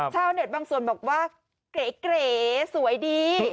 ชาวเน็ตบางส่วนบอกว่าเก๋สวยดี